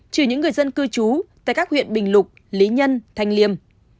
trừ những người dân cư trú tại các huyện bình lục lý nhân thanh liêm